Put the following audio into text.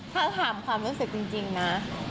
ถ้าถามความรู้สึกจริงนะ